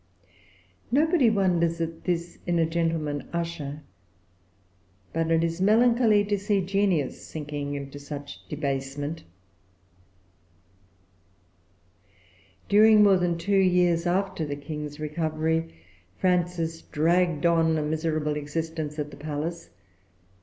Nobody wonders at this in a gentleman usher; but it is melancholy to see genius sinking into such debasement. During more than two years after the King's recovery, Frances dragged on a miserable existence at the palace.